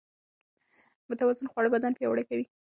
متوازن خواړه بدن پياوړی کوي.